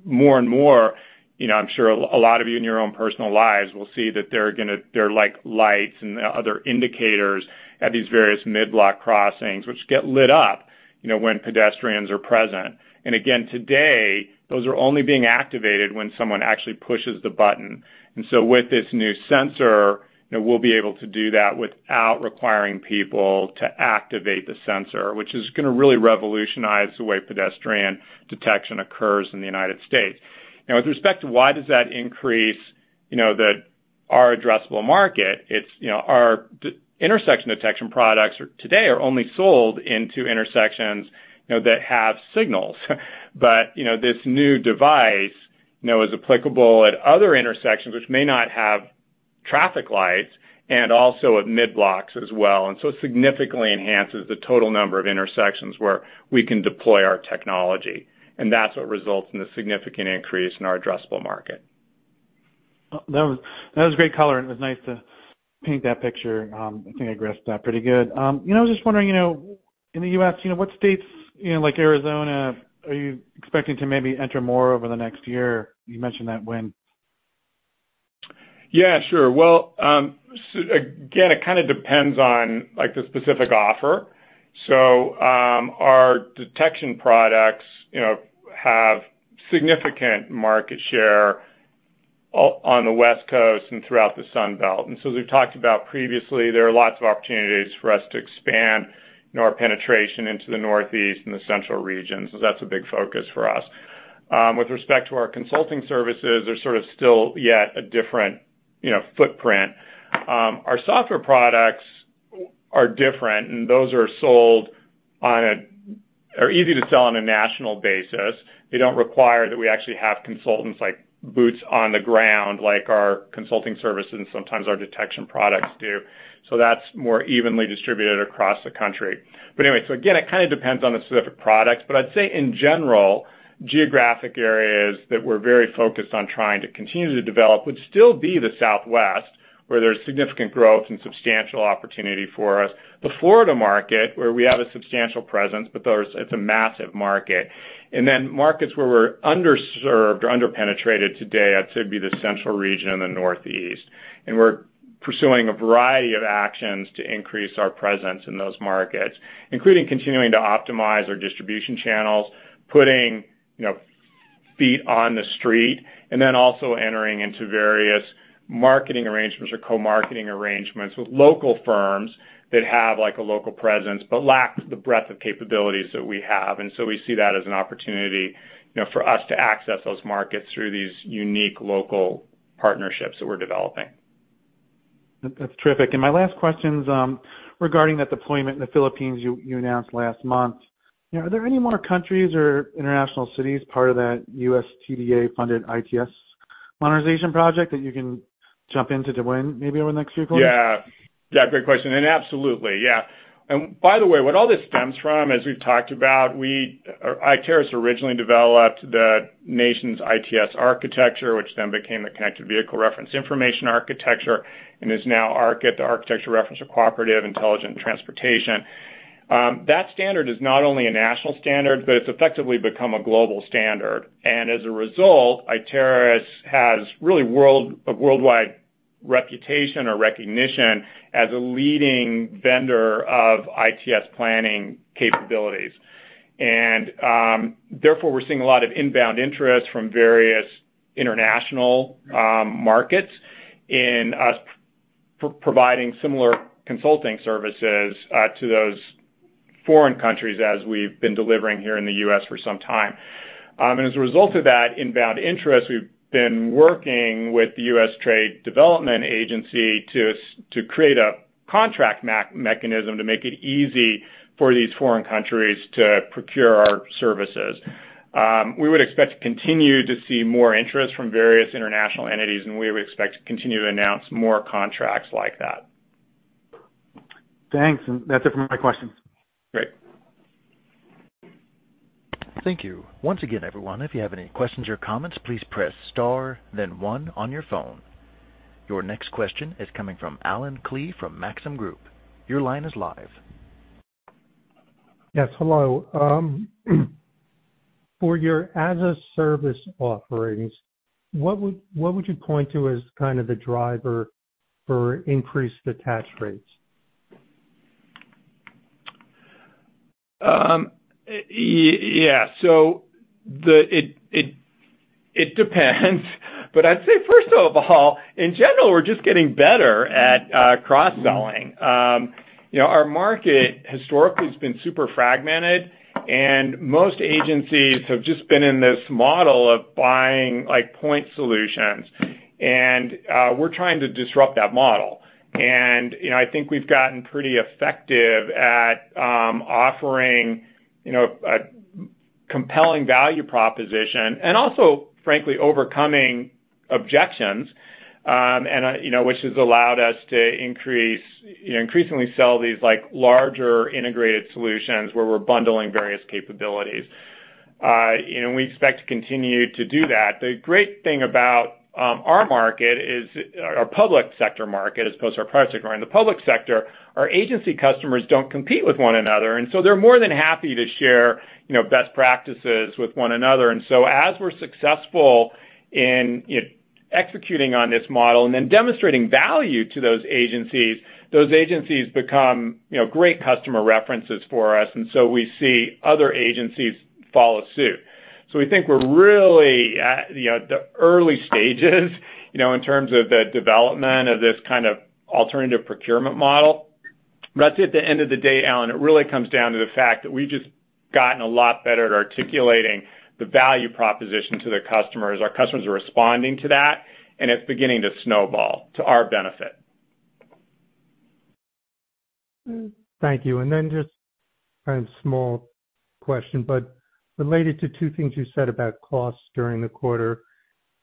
more and more. I'm sure a lot of you in your own personal lives will see that they're like lights and other indicators at these various mid-block crossings, which get lit up when pedestrians are present. And again, today, those are only being activated when someone actually pushes the button. And so with this new sensor, we'll be able to do that without requiring people to activate the sensor, which is going to really revolutionize the way pedestrian detection occurs in the United States. Now, with respect to why does that increase our addressable market, our intersection detection products today are only sold into intersections that have signals. But this new device is applicable at other intersections, which may not have traffic lights, and also at mid-blocks as well. And so it significantly enhances the total number of intersections where we can deploy our technology. And that's what results in the significant increase in our addressable market. That was great color. It was nice to paint that picture. I think I grasped that pretty good. I was just wondering, in the U.S., what states like Arizona are you expecting to maybe enter more over the next year? You mentioned that win. Yeah. Sure. Well, again, it kind of depends on the specific offer. So our detection products have significant market share on the West Coast and throughout the Sun Belt. And so as we've talked about previously, there are lots of opportunities for us to expand our penetration into the Northeast and the Central regions. So that's a big focus for us. With respect to our consulting services, they're sort of still yet a different footprint. Our software products are different, and those are sold on a, or easy to sell on a national basis. They don't require that we actually have consultants like boots on the ground, like our consulting services and sometimes our detection products do. So that's more evenly distributed across the country. But anyway, so again, it kind of depends on the specific product. But I'd say, in general, geographic areas that we're very focused on trying to continue to develop would still be the Southwest, where there's significant growth and substantial opportunity for us. The Florida market, where we have a substantial presence, but it's a massive market. And then markets where we're underserved or underpenetrated today, I'd say would be the Central region and the Northeast. And we're pursuing a variety of actions to increase our presence in those markets, including continuing to optimize our distribution channels, putting feet on the street, and then also entering into various marketing arrangements or co-marketing arrangements with local firms that have a local presence but lack the breadth of capabilities that we have. And so we see that as an opportunity for us to access those markets through these unique local partnerships that we're developing. That's terrific. And my last question is regarding that deployment in the Philippines you announced last month. Are there any more countries or international cities part of that USTDA-funded ITS modernization project that you can jump into to win maybe over the next few quarters? Yeah. Yeah. Great question. And absolutely. Yeah. By the way, what all this stems from, as we've talked about, Iteris originally developed the nation's ITS Architecture, Connected Vehicle Reference Implementation Architecture and is now ARC-IT, the Architecture Reference for Cooperative Intelligent Transportation. That standard is not only a national standard, but it's effectively become a global standard. As a result, Iteris has really a worldwide reputation or recognition as a leading vendor of ITS planning capabilities. Therefore, we're seeing a lot of inbound interest from various international markets in us providing similar consulting services to those foreign countries as we've been delivering here in the U.S. for some time. As a result of that inbound interest, we've been working with the U.S. Trade and Development Agency to create a contract mechanism to make it easy for these foreign countries to procure our services. We would expect to continue to see more interest from various international entities, and we would expect to continue to announce more contracts like that. Thanks. And that's it for my questions. Great. Thank you. Once again, everyone, if you have any questions or comments, please press star, then one on your phone. Your next question is coming from Allen Klee from Maxim Group. Your line is live. Yes. Hello. For your as-a-service offerings, what would you point to as kind of the driver for increased attach rates? Yeah. So it depends. But I'd say, first of all, in general, we're just getting better at cross-selling. Our market historically has been super fragmented, and most agencies have just been in this model of buying point solutions. And we're trying to disrupt that model. I think we've gotten pretty effective at offering a compelling value proposition and also, frankly, overcoming objections, which has allowed us to increasingly sell these larger integrated solutions where we're bundling various capabilities. We expect to continue to do that. The great thing about our market is our public sector market as opposed to our private sector market. In the public sector, our agency customers don't compete with one another. So they're more than happy to share best practices with one another. So as we're successful in executing on this model and then demonstrating value to those agencies, those agencies become great customer references for us. So we see other agencies follow suit. So we think we're really at the early stages in terms of the development of this kind of alternative procurement model. I'd say at the end of the day, Alan, it really comes down to the fact that we've just gotten a lot better at articulating the value proposition to the customers. Our customers are responding to that, and it's beginning to snowball to our benefit. Thank you. Then just a small question, but related to two things you said about costs during the quarter.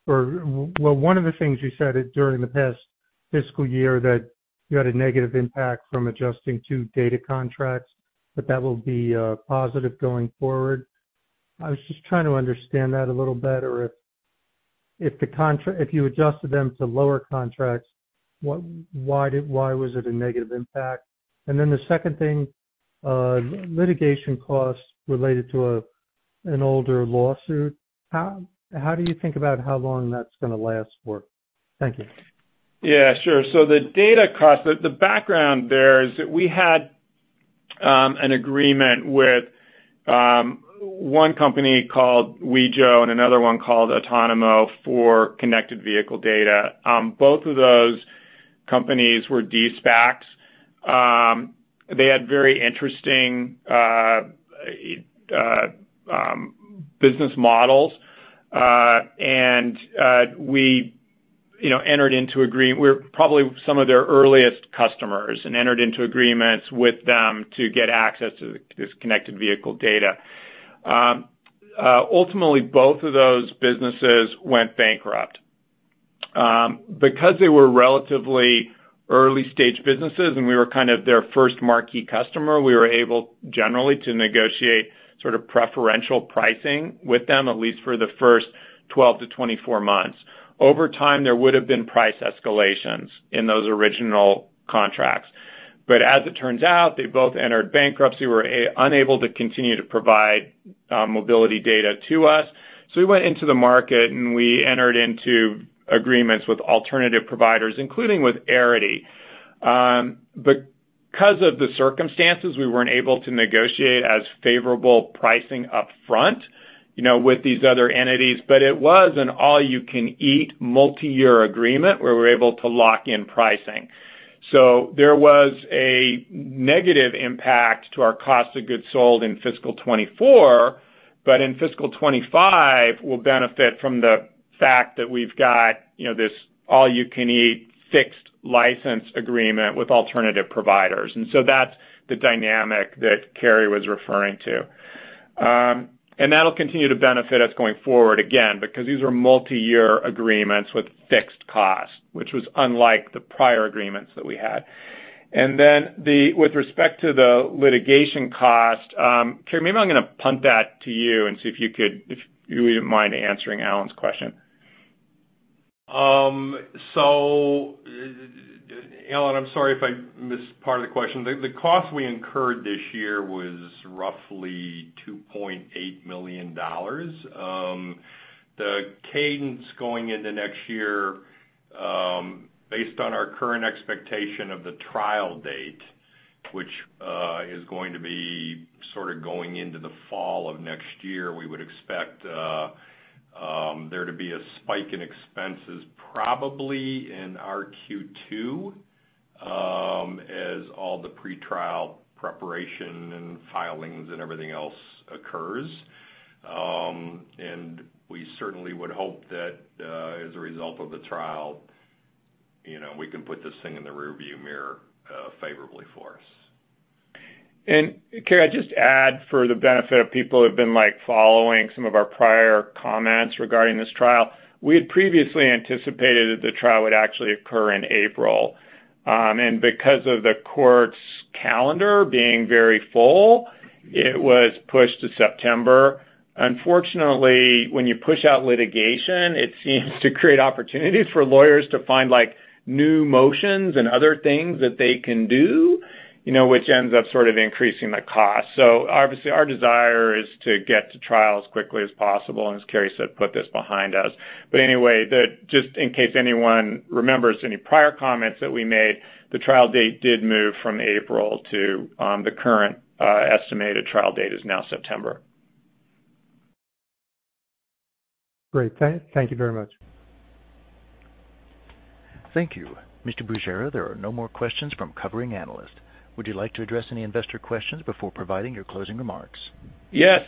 Well, one of the things you said during the past fiscal year that you had a negative impact from adjusting to data contracts, but that will be positive going forward. I was just trying to understand that a little better. If you adjusted them to lower contracts, why was it a negative impact? Then the second thing, litigation costs related to an older lawsuit. How do you think about how long that's going to last for? Thank you. Yeah. Sure. So the data costs, the background there is that we had an agreement with one company called Wejo and another one called Otonomo for connected vehicle data. Both of those companies were de-SPACs. They had very interesting business models. We entered into agreement. We're probably some of their earliest customers and entered into agreements with them to get access to this connected vehicle data. Ultimately, both of those businesses went bankrupt. Because they were relatively early-stage businesses and we were kind of their first marquee customer, we were able generally to negotiate sort of preferential pricing with them, at least for the first 12-24 months. Over time, there would have been price escalations in those original contracts. But as it turns out, they both entered bankruptcy. We were unable to continue to provide mobility data to us. So we went into the market and we entered into agreements with alternative providers, including with Arity. Because of the circumstances, we weren't able to negotiate as favorable pricing upfront with these other entities. But it was an all-you-can-eat multi-year agreement where we were able to lock in pricing. So there was a negative impact to our cost of goods sold in fiscal 2024, but in fiscal 2025, we'll benefit from the fact that we've got this all-you-can-eat fixed license agreement with alternative providers. And so that's the dynamic that Kerry was referring to. And that'll continue to benefit us going forward again because these were multi-year agreements with fixed costs, which was unlike the prior agreements that we had. And then with respect to the litigation cost, Kerry, maybe I'm going to punt that to you and see if you wouldn't mind answering Alan's question. So, Alan, I'm sorry if I missed part of the question. The cost we incurred this year was roughly $2.8 million. The cadence going into next year, based on our current expectation of the trial date, which is going to be sort of going into the fall of next year, we would expect there to be a spike in expenses probably in our Q2 as all the pretrial preparation and filings and everything else occurs. And we certainly would hope that as a result of the trial, we can put this thing in the rearview mirror favorably for us. And Kerry, I'd just add for the benefit of people who have been following some of our prior comments regarding this trial, we had previously anticipated that the trial would actually occur in April. And because of the court's calendar being very full, it was pushed to September. Unfortunately, when you push out litigation, it seems to create opportunities for lawyers to find new motions and other things that they can do, which ends up sort of increasing the cost. So obviously, our desire is to get to trial as quickly as possible and, as Kerry said, put this behind us. But anyway, just in case anyone remembers any prior comments that we made, the trial date did move from April to the current estimated trial date is now September. Great. Thank you very much. Thank you. Mr. Bergera, there are no more questions from covering analysts. Would you like to address any investor questions before providing your closing remarks? Yes.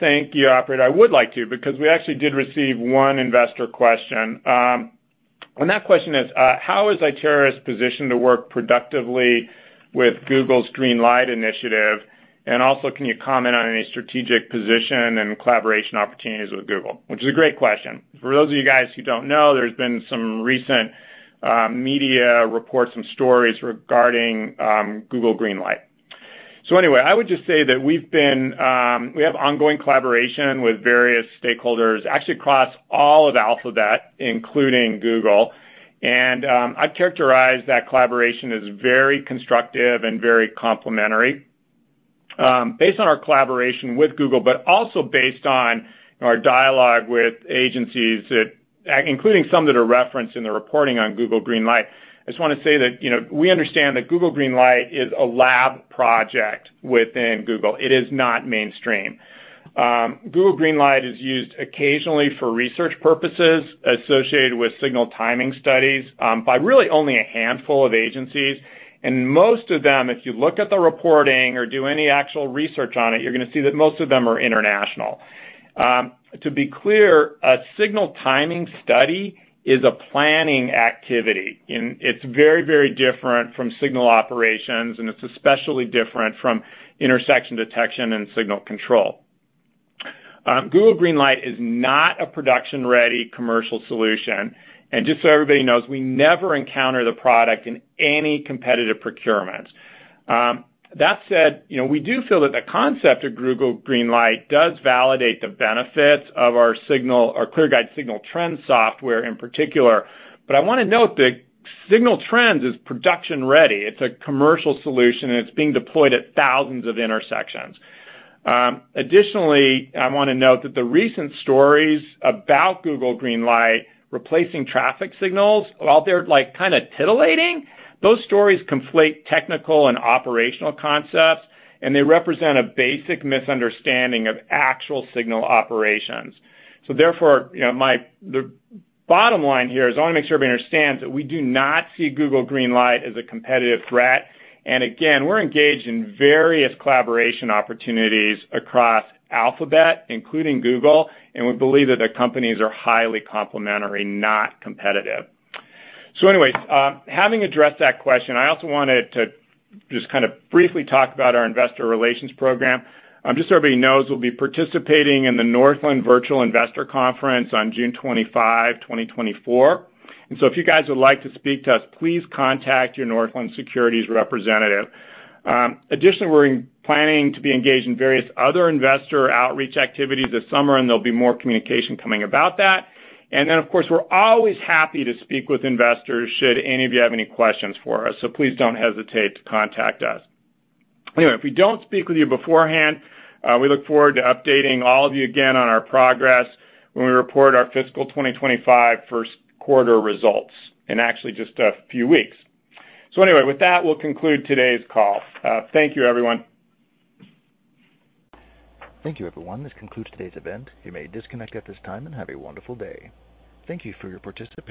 Thank you, Operator. I would like to because we actually did receive one investor question. And that question is, how is Iteris positioned to work productively with Google's Green Light initiative? Also, can you comment on any strategic position and collaboration opportunities with Google? Which is a great question. For those of you guys who don't know, there's been some recent media reports and stories regarding Google Green Light. Anyway, I would just say that we have ongoing collaboration with various stakeholders, actually across all of Alphabet, including Google. I'd characterize that collaboration as very constructive and very complementary. Based on our collaboration with Google, but also based on our dialogue with agencies, including some that are referenced in the reporting on Google Green Light, I just want to say that we understand that Google Green Light is a lab project within Google. It is not mainstream. Google Green Light is used occasionally for research purposes associated with signal timing studies by really only a handful of agencies. And most of them, if you look at the reporting or do any actual research on it, you're going to see that most of them are international. To be clear, a signal timing study is a planning activity. It's very, very different from signal operations, and it's especially different from intersection detection and signal control. Google Green Light is not a production-ready commercial solution. And just so everybody knows, we never encounter the product in any competitive procurement. That said, we do feel that the concept of Google Green Light does validate the benefits of ClearGuide Signal Trends software in particular. But I want to note that Signal Trends is production-ready. It's a commercial solution, and it's being deployed at thousands of intersections. Additionally, I want to note that the recent stories about Google Green Light replacing traffic signals, while they're kind of titillating, those stories conflate technical and operational concepts, and they represent a basic misunderstanding of actual signal operations. So therefore, the bottom line here is I want to make sure everybody understands that we do not see Google Green Light as a competitive threat. And again, we're engaged in various collaboration opportunities across Alphabet, including Google, and we believe that the companies are highly complementary, not competitive. So anyway, having addressed that question, I also wanted to just kind of briefly talk about our investor relations program. Just so everybody knows, we'll be participating in the Northland Virtual Investor Conference on June 25, 2024. And so if you guys would like to speak to us, please contact your Northland Securities representative. Additionally, we're planning to be engaged in various other investor outreach activities this summer, and there'll be more communication coming about that. And then, of course, we're always happy to speak with investors should any of you have any questions for us. So please don't hesitate to contact us. Anyway, if we don't speak with you beforehand, we look forward to updating all of you again on our progress when we report our fiscal 2025 first quarter results in actually just a few weeks. So anyway, with that, we'll conclude today's call. Thank you, everyone. Thank you, everyone. This concludes today's event. You may disconnect at this time and have a wonderful day. Thank you for your participation.